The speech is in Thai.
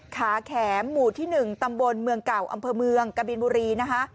ขาแขมหมู่ที่๑ตำบลเมืองเก่าอำเภอเมืองกะบินบุรีนะคะ